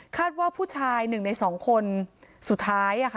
ว่าผู้ชาย๑ใน๒คนสุดท้าย